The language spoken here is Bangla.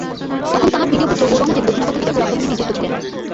তখন তাঁহার তৃতীয় পুত্র ঔরংজীব দক্ষিণাপথে বিজাপুর আক্রমণে নিযুক্ত ছিলেন।